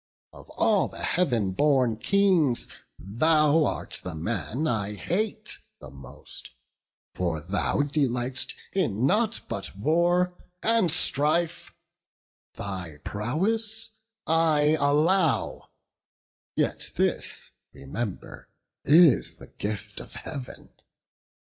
Of all the Heav'n born Kings, thou art the man I hate the most; for thou delight'st in nought But war and strife: thy prowess I allow; Yet this, remember, is the gift of Heav'n.